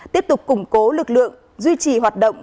tiếp tục củng cố lực lượng duy trì hoạt động